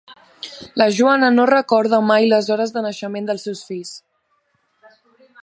La Joana no recorda mai les hores de naixement dels seus fills.